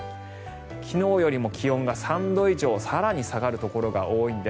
昨日よりも気温が３度以上更に下がるところが多いんです。